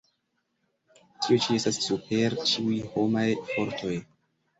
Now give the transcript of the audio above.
Tio ĉi estas super ĉiuj homaj fortoj!